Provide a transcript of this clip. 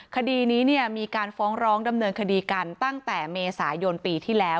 คดีนี้มีการฟ้องร้องดำเนินคดีกันตั้งแต่เมษายนปีที่แล้ว